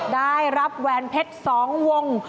ได้รับแหวนเพชร๒วง